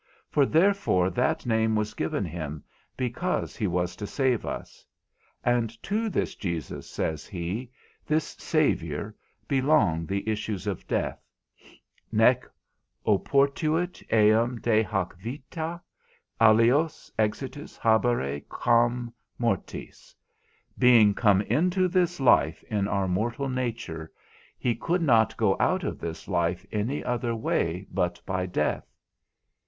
For therefore that name was given him because he was to save us. And to this Jesus, says he, this Saviour, belong the issues of death; Nec oportuit eum de hac vita alios exitus habere quam mortis: being come into this life in our mortal nature, he could not go out of this life any other way but by death.